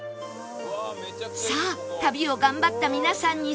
さあ旅を頑張った皆さんにサプライズ！